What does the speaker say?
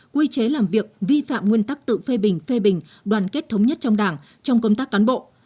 quy chế làm việc vi phạm nguyên tắc tự phê bình phê bình đoàn kết thống nhất trong đảng trong công tác cán bộ